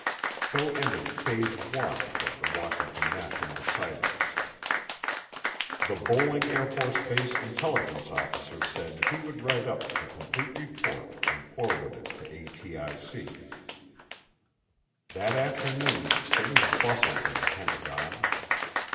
So ended phase one of the Washington National Sightings. The Bolling AFB intelligence officer said he would write up the complete report and forward it to ATIC. That afternoon things bustled in the Pentagon.